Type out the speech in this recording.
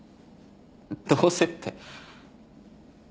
どうせって。